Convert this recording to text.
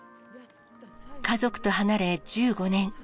家族と離れ、１５年。